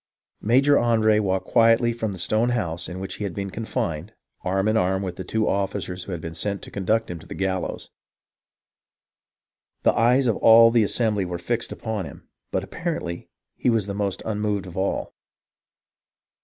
Major Andre walked quietly from the stone house in which he had been confined, arm in arm with the two officers who had been sent to conduct him to the gallows. The eyes of all the assembly were fixed upon him, but apparently he was the most unmoved of all.